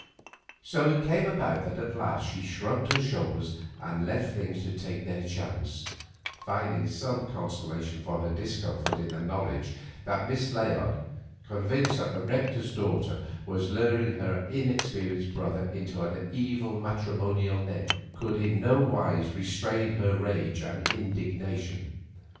So it came about that at last she shrugged her shoulders and left things to take their chance, finding some consolation for her discomfort in the knowledge that Miss Layard, convinced that the rector's daughter was luring her inexperienced brother into an evil matrimonial net, could in no wise restrain her rage and indignation.